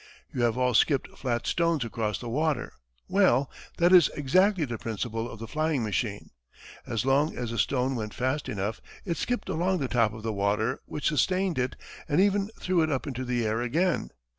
You have all skipped flat stones across the water. Well, that is exactly the principle of the flying machine. As long as the stone went fast enough, it skipped along the top of the water, which sustained it and even threw it up into the air again.